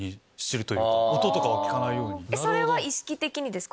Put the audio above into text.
それは意識的にですか？